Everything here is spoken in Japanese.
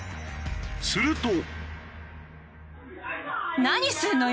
すると。